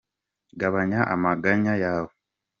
Gabanya amaganya yawe.